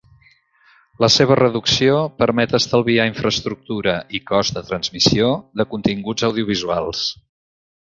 La seva reducció permet estalviar infraestructura i cost de transmissió de continguts audiovisuals.